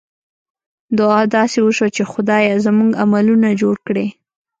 دعا داسې وشوه چې خدایه! زموږ عملونه جوړ کړې.